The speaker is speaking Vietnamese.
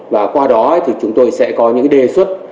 và qua đó thì chúng tôi sẽ có những đề xuất